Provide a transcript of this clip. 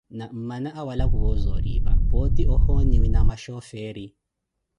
Na mmana awala kuwo zooripa, pooti ohoniwi na maxooferi.